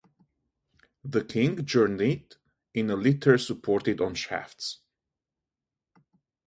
The king journeyed in a litter supported on shafts.